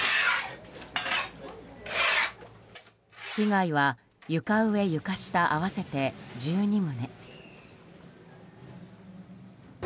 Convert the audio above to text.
被害は床上・床下合わせて１２棟。